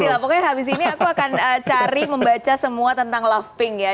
iya pokoknya habis ini aku akan cari membaca semua tentang love pink ya